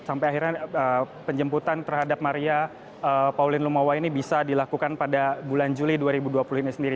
sampai akhirnya penjemputan terhadap maria pauline lumowa ini bisa dilakukan pada bulan juli dua ribu dua puluh ini sendiri